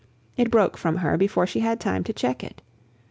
It broke from her before she had time to check it.